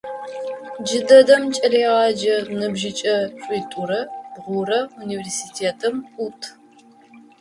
Джыдэдэм кӏэлэегъэджэ ныбжьыкӏэ шъитӏурэ бгъурэ университетым ӏут.